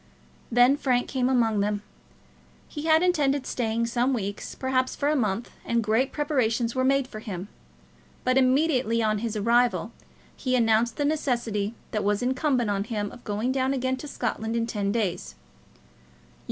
Then Frank came among them. He had intended staying some weeks, perhaps for a month, and great preparations were made for him; but immediately on his arrival he announced the necessity that was incumbent on him of going down again to Scotland in ten days.